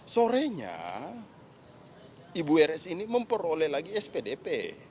sorenya ibu rs ini memperoleh lagi spdp